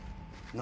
何？